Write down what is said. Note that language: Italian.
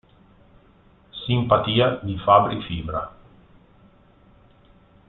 Simpatia" di Fabri Fibra.